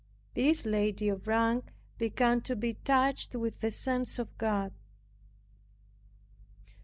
This lady of rank began to be touched with the sense of God.